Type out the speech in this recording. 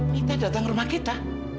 kita datang ke rumah kita